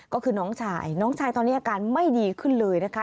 ก็คือน้องชายน้องชายตอนนี้อาการไม่ดีขึ้นเลยนะคะ